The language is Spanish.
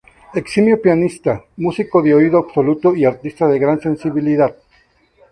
Eximio pianista, músico de oído absoluto y artista de gran sensibilidad.